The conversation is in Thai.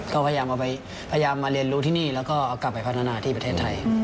ก็พยายามมาเรียนรู้ที่นี่แล้วก็เอากลับไปพัฒนาที่ประเทศไทย